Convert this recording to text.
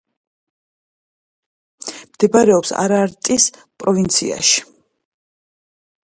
მდებარეობს არარატის პროვინციაში.